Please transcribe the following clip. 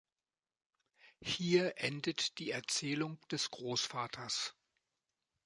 Hier endet die Erzählung des Großvaters.